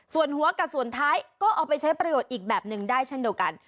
ส่วนหัวกับส่วนท้ายก็เอาไปใช้ประโยชน์อีกแบบหนึ่งได้เช่นเดียวกัน